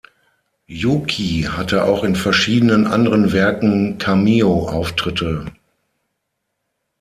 Yuki hatte auch in verschiedenen anderen Werken Cameo-Auftritte.